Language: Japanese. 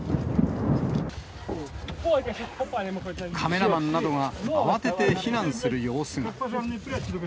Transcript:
カメラマンなどが慌てて避難する様子が。